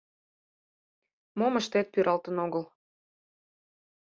Мом ыштет — пӱралтын огыл...